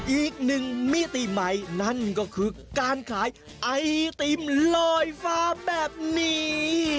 อีกหนึ่งมิติใหม่นั่นก็คือการขายไอติมลอยฟ้าแบบนี้